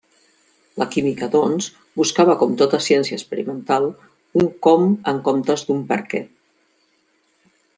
La química doncs, buscava com tota ciència experimental, un com en comptes d'un per què.